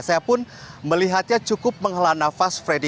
saya pun melihatnya cukup menghela nafas freddy